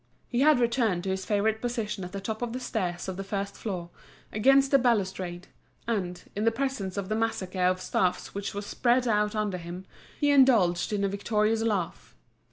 He had returned to his favourite position at the top of the stair's of the first floor, against the balustrade; and, in the presence of the massacre of stuffs which was spread out under him, he indulged in a victorious laugh.